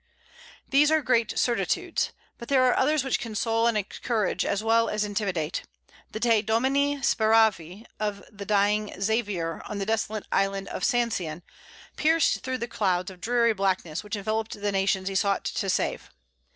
These are great certitudes. But there are others which console and encourage as well as intimidate. The Te Domine Speravi of the dying Xavier on the desolate island of Sancian, pierced through the clouds of dreary blackness which enveloped the nations he sought to save.